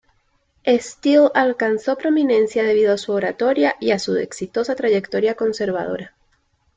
Steele alcanzó prominencia debido a su oratoria y su exitosa trayectoria conservadora.